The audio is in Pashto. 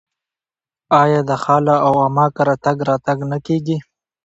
آیا د خاله او عمه کره تګ راتګ نه کیږي؟